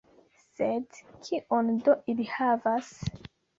Sed kion do ili havas?